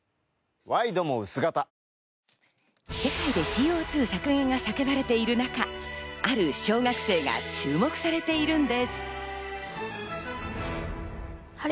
ワイドも薄型世界でＣＯ２削減が叫ばれている中、ある小学生が注目されているんです。